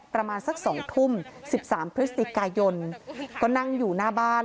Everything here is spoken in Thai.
ประมาณสัก๒ทุ่ม๑๓พฤศจิกายนก็นั่งอยู่หน้าบ้าน